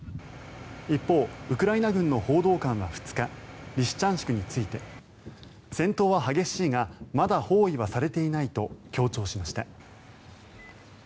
一方、ウクライナ軍の報道官は２日リシチャンシクについて戦闘は激しいがまだ包囲はされていないと強調しました。